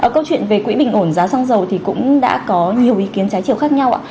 câu chuyện về quỹ bình ổn giá xăng dầu thì cũng đã có nhiều ý kiến trái chiều khác nhau